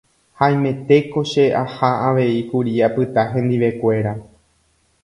haimetéko che aha avei kuri apyta hendivekuéra